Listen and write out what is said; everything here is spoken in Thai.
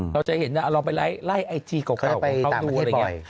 เราจะเห็นลองไปไล่ไอจีเก่าของเขาดูอะไรอย่างนี้